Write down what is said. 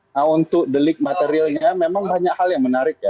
nah untuk delik materialnya memang banyak hal yang menarik ya